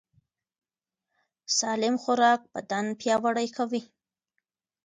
سالم خوراک بدن پیاوړی کوي.